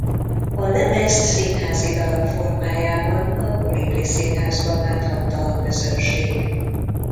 A lemezt színházi darab formájában a Kolibri Színházban láthatta a közönség.